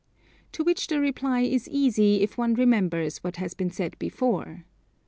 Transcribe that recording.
To which the reply is easy if one remembers what has been said before.